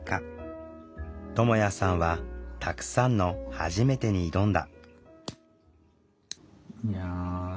ともやさんはたくさんの「はじめて」に挑んだ。